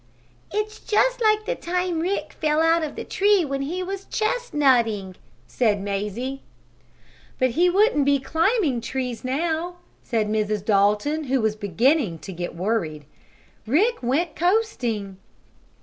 "It's just like the time Rick fell out of the tree when he was chestnutting," said Mazie. "But he wouldn't be climbing trees now," said Mrs. Dalton, who was beginning to get worried. "Rick went coasting."